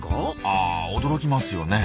あ驚きますよね。